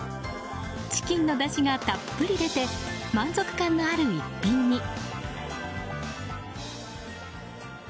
チキンのだしがたっぷり出て満足感のある一品に。